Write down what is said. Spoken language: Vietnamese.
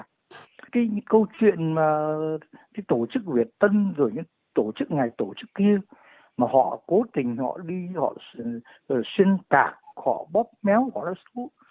cái câu chuyện mà cái tổ chức việt tân rồi những tổ chức này tổ chức kia mà họ cố tình họ đi họ xuyên tạc họ bóp méo họ